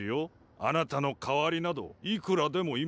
あなたの代わりなどいくらでもいますから。